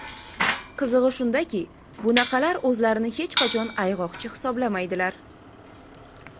Qizig‘i shundaki, bunaqalar o‘zlarini hech qachon ayg‘oqchi hisoblamaydilar.